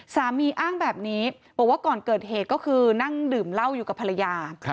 สามีอ้างแบบนี้บอกว่าก่อนเกิดเหตุก็คือนั่งดื่มเหล้าอยู่กับภรรยา